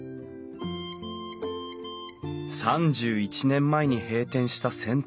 ３１年前に閉店した銭湯。